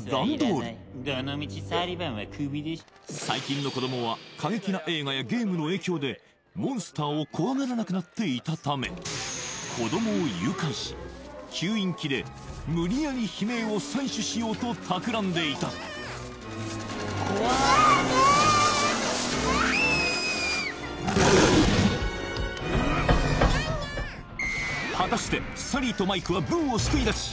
サリバンはクビ最近の子どもは過激な映画やゲームの影響でモンスターを怖がらなくなっていたため子どもを誘拐し吸引器で無理やり悲鳴を採取しようとたくらんでいた果たしてサリーとマイクはブーを救い出し